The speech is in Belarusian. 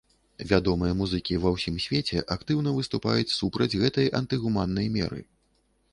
Вядомыя музыкі ва ўсім свеце актыўна выступаюць супраць гэтай антыгуманнай меры.